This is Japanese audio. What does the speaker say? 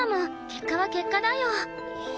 結果は結果だよ。